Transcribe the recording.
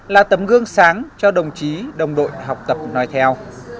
là tấm gương sáng cho đồng chí đồng đội học tập nói theo